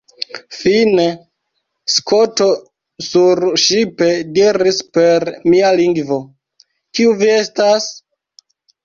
Fine, Skoto surŝipe diris per mia lingvo, “Kiu vi estas? »